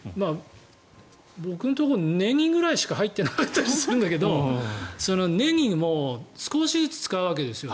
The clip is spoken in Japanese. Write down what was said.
僕のところ、ネギぐらいしか入ってなかったりするんだけどネギも少しずつ使うわけですよ。